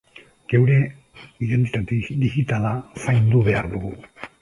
Geure identitate digitala zaindu behar dugu.